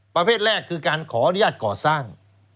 ประเภทแรกคือการขออนุญาตก่อสร้าง